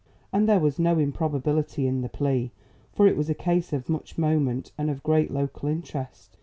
And there was no improbability in the plea, for it was a case of much moment, and of great local interest.